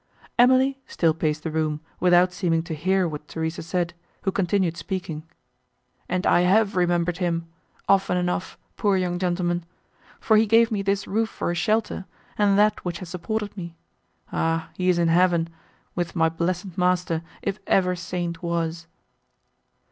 Emily still paced the room, without seeming to hear what Theresa said, who continued speaking. "And I have remembered him, often enough, poor young gentleman!—for he gave me this roof for a shelter, and that, which has supported me. Ah! he is in heaven, with my blessed master, if ever saint was!"